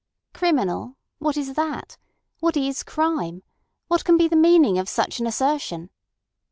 "Criminal! What is that? What is crime? What can be the meaning of such an assertion?"